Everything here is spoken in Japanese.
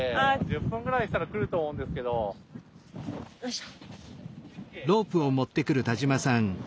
よいしょ。